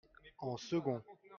en second.